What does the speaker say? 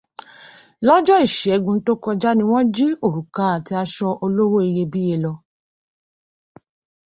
Lọ́jọ́ Ìṣẹ́gun tó kọjá ni wọ́n jí òrùka àti asọ olówó iyebíye lọ